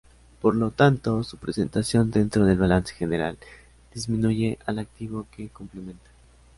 Por lo tanto, su presentación dentro del balance general, disminuye al activo que complementa.